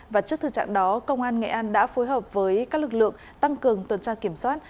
và trước thực trạng đó công an nghệ an đã phối hợp với các lực lượng tăng cường tuần tra kiểm soát